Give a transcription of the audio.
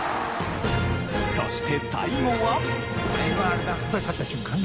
そして最後は。